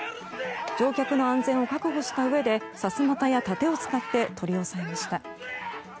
乗客の安全を確保したうえでさすまたや盾を使って取り押さえました。